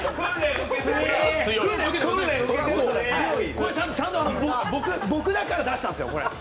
これはちゃんと僕だからできたんですよ。